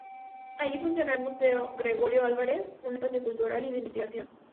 Allí funcionará el Museo Gregorio Álvarez, un espacio cultural y de investigación.